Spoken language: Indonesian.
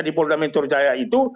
di polda metro jaya itu